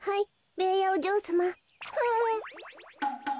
はい。